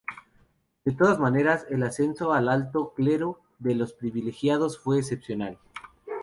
De todas maneras, el ascenso al alto clero de los no privilegiados fue excepcional.